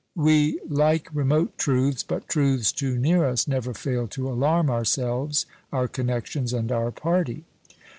We like remote truths, but truths too near us never fail to alarm ourselves, our connexions, and our party.